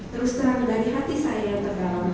terus terang dari hati saya yang terganggu